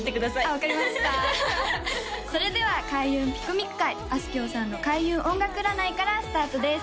分かりましたそれでは開運ピクミク回あすきょうさんの開運音楽占いからスタートです